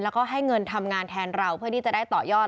แล้วก็ให้เงินทำงานแทนเราเพื่อที่จะได้ต่อยอด